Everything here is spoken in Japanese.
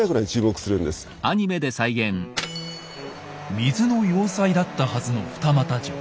水の要塞だったはずの二俣城。